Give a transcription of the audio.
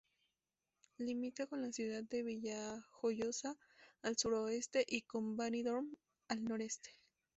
Limita con la ciudad de Villajoyosa al suroeste y con Benidorm al noreste.